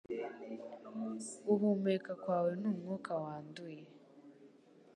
Guhumeka kwawe ni umwuka wanduye